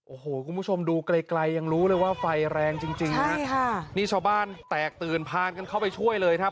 โอ้โหคุณผู้ชมดูไกลไกลยังรู้เลยว่าไฟแรงจริงจริงฮะใช่ค่ะนี่ชาวบ้านแตกตื่นพากันเข้าไปช่วยเลยครับ